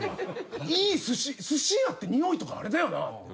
いいすし屋ってにおいとかあれだよな。